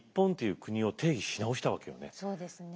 そうですね。